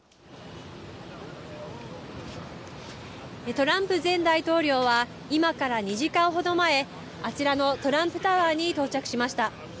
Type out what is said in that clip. トランプ前大統領は、今から２時間ほど前、あちらのトランプタワーに到着しました。